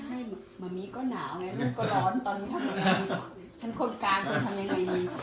ฉันคนกลางคนทำยังไงมี